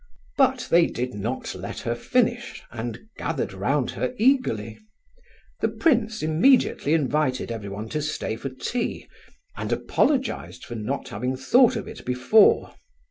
But they did not let her finish, and gathered round her eagerly. The prince immediately invited everyone to stay for tea, and apologized for not having thought of it before.